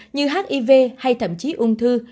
như hiv hay thậm chí ung thư